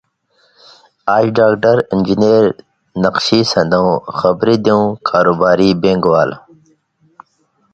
آژ ڈاگدر ، انجنېر ،نقشی سندوۡ، خبری دېو، کاروباری ، بین٘گ وال